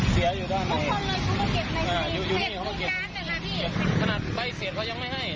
เก็บตังค์อยู่ด้านนี้